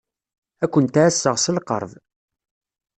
Ad kent-ɛasseɣ s lqerb.